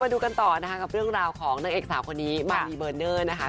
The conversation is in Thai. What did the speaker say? ดูกันต่อนะคะกับเรื่องราวของนางเอกสาวคนนี้มารีเบอร์เนอร์นะคะ